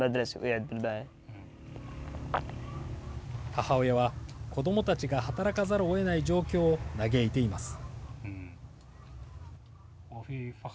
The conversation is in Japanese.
母親は、子どもたちが働かざるをえない状況を嘆いています。